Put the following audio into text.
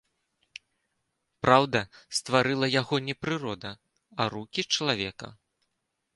Праўда, стварыла яго не прырода, а рукі чалавека.